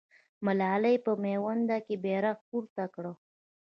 ملالۍ په میوند کې بیرغ پورته کړ.